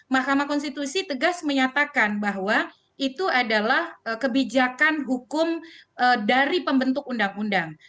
mahkamah konstitusi tegas menyatakan bahwa itu adalah kebijakan hukum dari pembentuk undang undang